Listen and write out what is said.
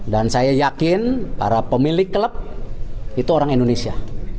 dan saya yakin para pemilik klub itu orang indonesia